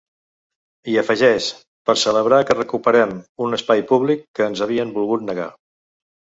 I afegeix: Per celebrar que recuperem un espai públic que ens havien volgut negar.